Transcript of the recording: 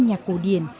nhạc cổ điển